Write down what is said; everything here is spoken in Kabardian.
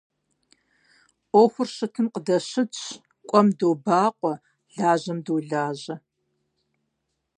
Ӏуэхур щытым къыдэщытщ, кӀуэм добакъуэ, лажьэм долажьэ.